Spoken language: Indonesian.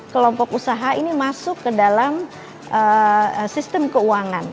kelompok usaha ini masuk ke dalam sistem keuangan